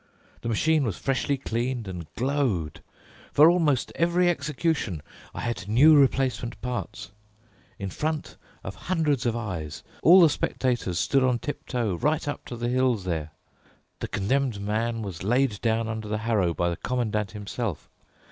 The machine was freshly cleaned and glowed. For almost every execution I had new replacement parts. In front of hundreds of eyes—all the spectators stood on tip toe right up to the hills there—the condemned man was laid down under the harrow by the Commandant himself.